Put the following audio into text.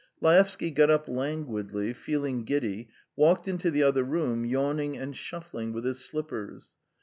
Laevsky got up languidly, feeling giddy, walked into the other room, yawning and shuffling with his slippers.